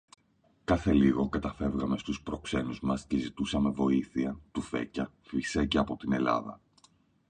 Κάθε λίγο καταφεύγαμε στους προξένους μας και ζητούσαμε βοήθεια, τουφέκια, φυσέκια, από την Ελλάδα